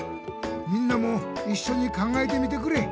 みんなもいっしょに考えてみてくれ！